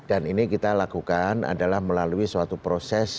dan ini kita lakukan adalah melalui suatu proses